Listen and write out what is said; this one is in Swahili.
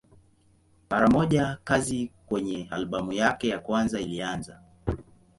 Mara moja kazi kwenye albamu yake ya kwanza ilianza.